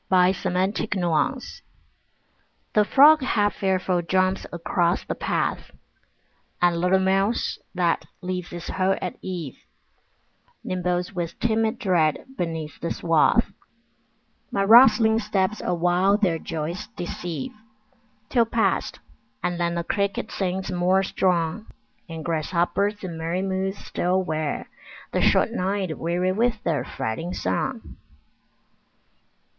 Summer Evening The frog half fearful jumps across the path, And little mouse that leaves its hole at eve Nimbles with timid dread beneath the swath; My rustling steps awhile their joys deceive, Till past, and then the cricket sings more strong, And grasshoppers in merry moods still wear The short night weary with their fretting song.